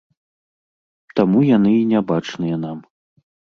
Таму яны і нябачныя нам.